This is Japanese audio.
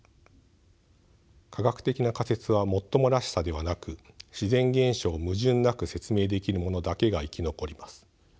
科学的な仮説はもっともらしさではなく自然現象を矛盾なく説明できるものだけが生き残ります。